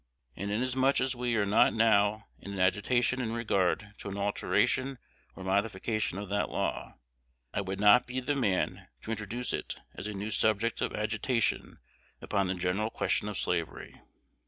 And inasmuch as we are not now in an agitation in regard to an alteration or modification of that law, I would not be the man to introduce it as a new subject of agitation upon the general question of slavery.